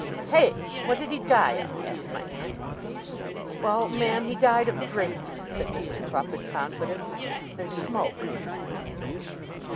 'Hey! What did he die of?' asked my aunt. 'Well, ma'am, he died of drink,' said Mrs. Crupp, in confidence. 'And smoke.